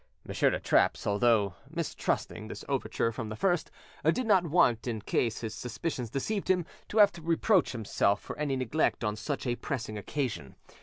M. de Trappes, although mistrusting this overture from the first, did not want, in case his suspicions deceived him, to have to reproach himself for any neglect on such a pressing occasion.